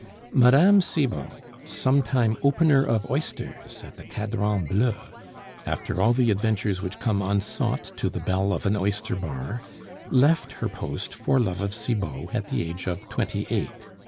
Mme. Cibot, sometime opener of oysters at the Cadran Bleu, after all the adventures which come unsought to the belle of an oyster bar, left her post for love of Cibot at the age of twenty eight.